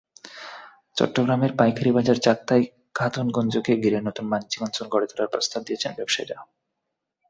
চট্টগ্রামের পাইকারি বাজার চাক্তাই-খাতুনগঞ্জকে ঘিরে নতুন বাণিজ্যিক অঞ্চল গড়ে তোলার প্রস্তাব দিয়েছেন ব্যবসায়ীরা।